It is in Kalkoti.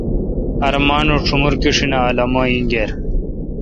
ہر مانوش شومور کیشیناں الومہ اینگر